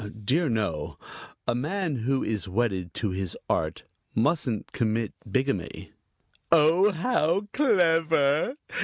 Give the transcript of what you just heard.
"Dear, no; a man who is wedded to his art mustn't commit bigamy." "Oh, how clever.